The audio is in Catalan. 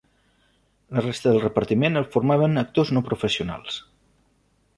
La resta del repartiment el formaven actors no professionals.